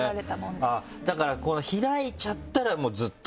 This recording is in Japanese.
だから開いちゃったらずっと。